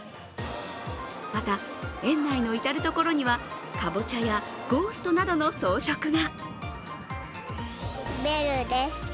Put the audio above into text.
また、園内の至る所にはかぼちゃやゴーストなどの装飾が。